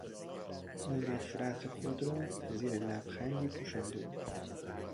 او نفرت خود را زیر لبخندی پوشانده بود.